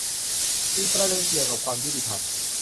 มีประเด็นเกี่ยวกับความยุติธรรม